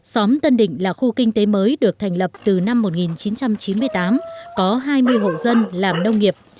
xóm tân định là khu kinh tế mới được thành lập từ năm một nghìn chín trăm chín mươi tám có hai mươi hộ dân làm nông nghiệp